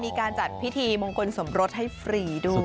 มีการจัดพิธีมงคลสมรสให้ฟรีด้วย